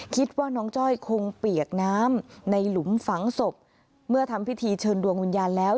คิดว่าน้องจ้อยคงเปียกน้ำในหลุมฝังศพเมื่อทำพิธีเชิญดวงวิญญาณแล้ว